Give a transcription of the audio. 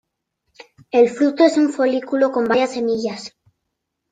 El fruto es un folículo con varias semillas.